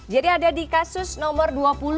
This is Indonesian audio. jadi ada di kasus nomor dua puluh